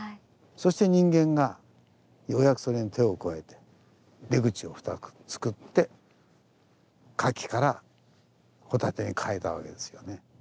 そして人間がようやくそれに手を加えて出口を２つつくってカキからホタテにかえたわけですよね。